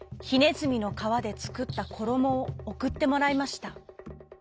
ずみのかわでつくったころもをおくってもらいました。